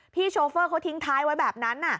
โชเฟอร์เขาทิ้งท้ายไว้แบบนั้น